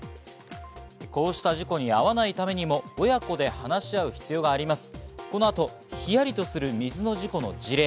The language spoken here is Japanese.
こうした事故に遭わないためにも親子で話し合う必要があります。